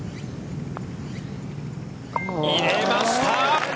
入れました！